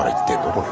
これ。